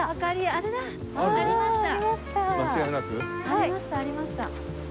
ありましたありました。